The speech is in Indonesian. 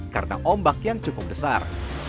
karena ombak yang cukup besar